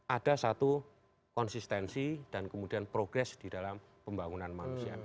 ada satu konsistensi dan kemudian progres di dalam pembangunan manusia